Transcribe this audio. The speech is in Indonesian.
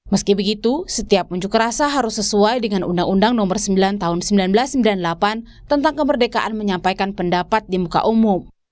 meski begitu setiap unjuk rasa harus sesuai dengan undang undang nomor sembilan tahun seribu sembilan ratus sembilan puluh delapan tentang kemerdekaan menyampaikan pendapat di muka umum